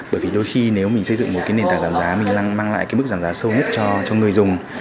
bởi vì đôi khi nếu mình xây dựng một nền tảng giảm giá mình mang lại mức giảm giá sâu nhất cho người dùng